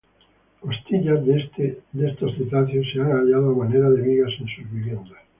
Costillas de estos cetáceos se han hallado a manera de vigas en sus viviendas.